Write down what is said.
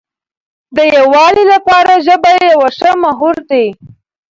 د یووالي لپاره ژبه یو ښه محور دی.